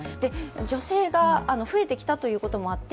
女性が増えてきたということもあって